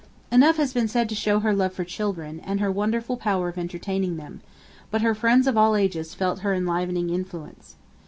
Enough has been said to show her love for children, and her wonderful power of entertaining them; but her friends of all ages felt her enlivening influence.